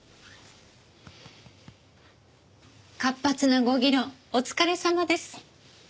活発なご議論お疲れさまです。